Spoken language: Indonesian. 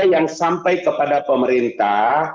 yang sampai kepada pemerintah